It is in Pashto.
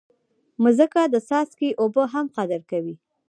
مځکه د څاڅکي اوبه هم قدر کوي.